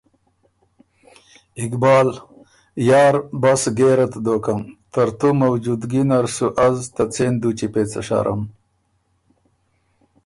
اقبال: یار بس ګېرت دوکم، ترتُو موجودګي نر سُو از ته څېن دُوچي پېڅه شرم۔